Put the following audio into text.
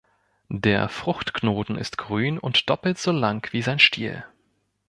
Der Fruchtknoten ist grün und doppelt so lang wie sein Stiel.